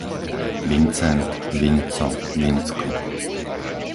Vincent, Vinco, Vincko